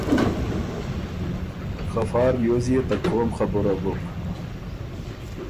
خه فا ریوز يې ته قوم خبُره بُک